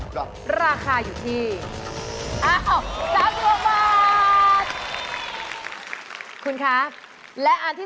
โปรดติดตามต่อไป